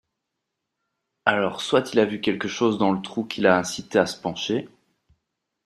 Alors soit il a vu quelque chose dans le trou qui l’a incité à se pencher